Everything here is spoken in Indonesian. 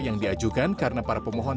yang diajukan karena para pemohon